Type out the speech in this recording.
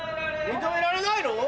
認められないの？